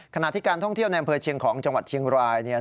ขณะที่การท่องเที่ยวในอำเภอเชียงของจังหวัดเชียงรายเนี่ย